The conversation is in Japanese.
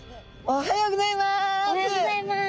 おはようございます。